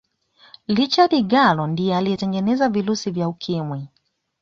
richard gallo ndiye aliyetengeneza virusi vya ukimwi